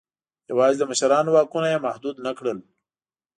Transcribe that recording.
یوازې د مشرانو واکونه یې محدود نه کړل.